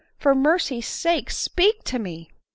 for mercy's sake, speak to me